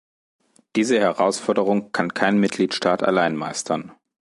Diese Herausforderung kann kein Mitgliedstaat allein meistern.